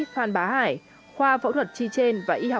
khám chuyên gia